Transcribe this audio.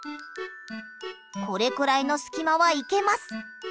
これくらいの隙間は行けます！